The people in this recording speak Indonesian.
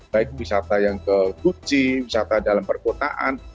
baik wisata yang ke guci wisata dalam perkotaan